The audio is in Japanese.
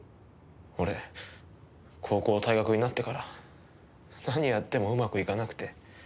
俺高校退学になってから何やってもうまくいかなくて。